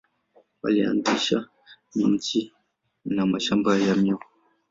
Walianzisha miji na mashamba ya miwa.